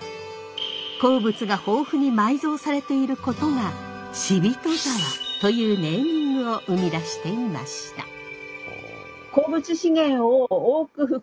鉱物が豊富に埋蔵されていることが死人沢というネーミングを生み出していました。